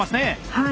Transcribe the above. はい。